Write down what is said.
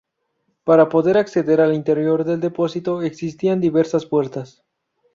Para poder acceder al interior del depósito existían diversas puertas.